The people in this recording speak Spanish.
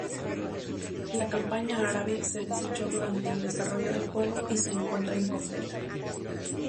La campaña árabe se desechó durante el desarrollo del juego y se encuentra incompleta.